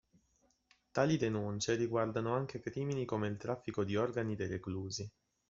Tali denunce riguardano anche crimini come il traffico di organi dei reclusi.